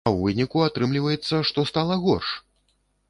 А ў выніку атрымліваецца, што стала горш?